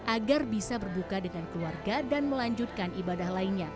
agar bisa berbuka dengan keluarga dan melanjutkan ibadah lainnya